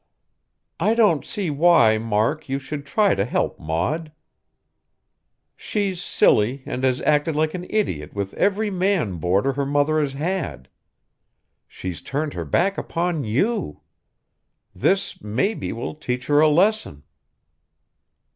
"I don't see why, Mark, you should try to help Maud. She's silly and has acted like an idiot with every man boarder her mother has had. She's turned her back upon you. This, maybe, will teach her a lesson."